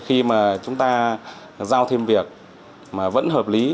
khi mà chúng ta giao thêm việc mà vẫn hợp lý